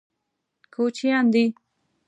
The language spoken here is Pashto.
کوچیان دي.